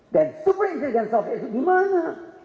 dan super intelligent software itu di mana